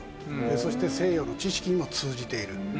そして西洋の知識にも通じている。